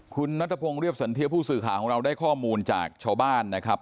คุณนัทพงศ์เรียบสันเทียผู้สื่อข่าวของเราได้ข้อมูลจากชาวบ้านนะครับ